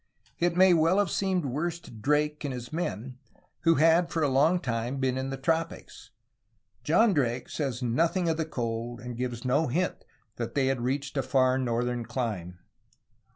It may well have seemed worse to Drake and his men who had for a long time been in the tropics. John Drake says nothing of the cold, and gives no hint that they had reached a far northern clime.